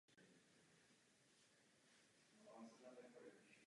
Během následujících desetiletí přibylo v okolí několik plastik současných sochařů.